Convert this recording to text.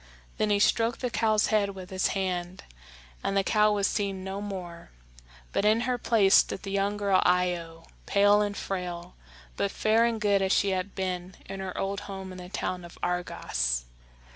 Then he stroked the cow's head with his hand, and the cow was seen no more; but in her place stood the young girl Io, pale and frail, but fair and good as she had been in her old home in the town of Argos.